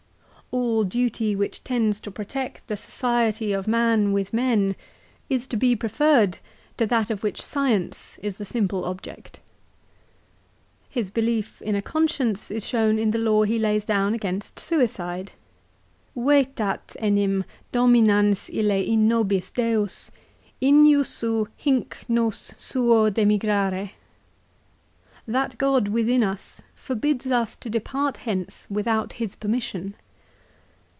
l " All duty which tends to protect the society of man with men is to be preferred to that of which science is the simple object." His belief in a conscience is shown in the law he lays down against suicide. "Vetat enim dominans ille in nobis deus, injussu hinc nos suo demigrare." 2 " That God within us forbids us to depart hence without his permission."